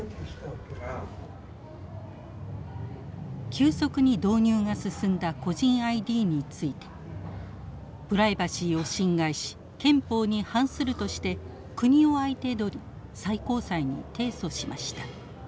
急速に導入が進んだ個人ＩＤについてプライバシーを侵害し憲法に反するとして国を相手取り最高裁に提訴しました。